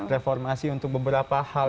reformasi untuk beberapa hal